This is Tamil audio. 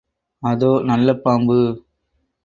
அதோ, நல்ல பாம்பு!